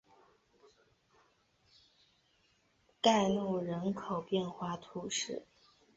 盖贡人口变化图示